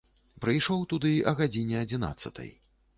Прыйшоў туды а гадзіне адзінаццатай.